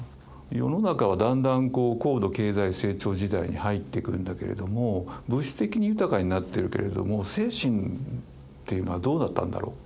世の中はだんだん高度経済成長時代に入ってくんだけれども物質的に豊かになってるけれども精神っていうのはどうだったんだろう。